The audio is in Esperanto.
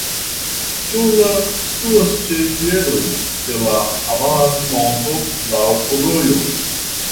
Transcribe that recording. Djula situas ĉe piedoj de la Avas-monto, laŭ rojo.